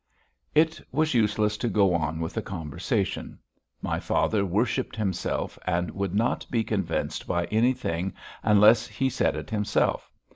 It was useless to go on with the conversation. My father worshipped himself and would not be convinced by anything unless he said it himself.